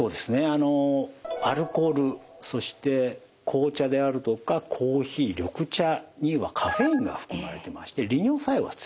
あのアルコールそして紅茶であるとかコーヒー緑茶にはカフェインが含まれてまして利尿作用が強いんですね。